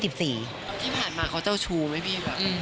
ที่ผ่านมาเขาเจ้าชู้ไหมพี่แบบ